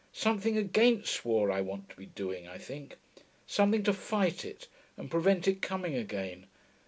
Something against war, I want to be doing, I think. Something to fight it, and prevent it coming again....